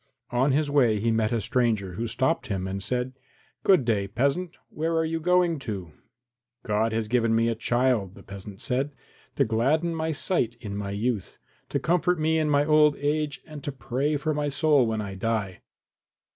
On his way he met a stranger, who stopped him and said, "Good day, peasant; where are you going to?" "God has given me a child," the peasant said, "to gladden my sight in my youth, to comfort me in my old age and to pray for my soul when I die.